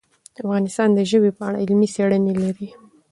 افغانستان د ژبې په اړه علمي څېړنې لري.